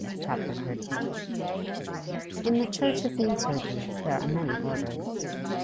CHAPTER XIII In the church of the Insurgents there are many orders.